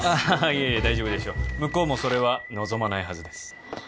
いやいや大丈夫でしょう向こうもそれは望まないはずです